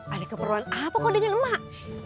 ada keperluan apa kok dengan emak